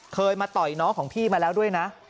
เคยมาต่อยน้องของพี่มาแล้วด้วยนะ